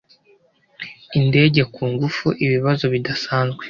indege ku ngufu ibibazo bidasanzwe